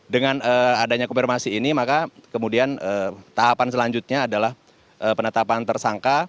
dengan adanya konfirmasi ini maka kemudian tahapan selanjutnya adalah penetapan tersangka